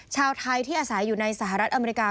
ชาวไทยที่อาศัยอยู่ในสหรัฐอเมริกา